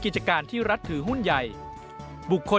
๕เงินจากการรับบริจาคจากบุคคลหรือนิติบุคคล